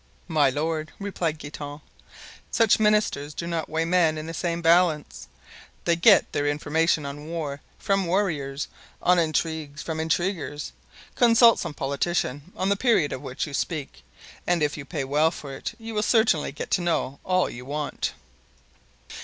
"My lord," replied Guitant, "such ministers do not weigh men in the same balance; they get their information on war from warriors; on intrigues, from intriguers. Consult some politician of the period of which you speak, and if you pay well for it you will certainly get to know all you want."